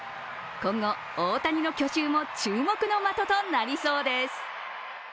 今後、大谷の去就も注目の的となりそうです。